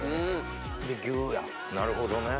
でギュやなるほどね。